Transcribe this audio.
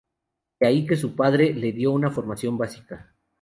De ahí que su padre le dio una formación básica.